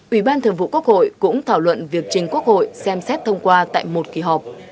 ủy ban thường vụ quốc hội cũng thảo luận việc trình quốc hội xem xét thông qua tại một kỳ họp